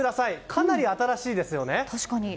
かなり新しいですよね。